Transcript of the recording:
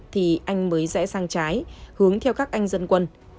thì anh mới rẽ sang trái hướng theo các anh dân quân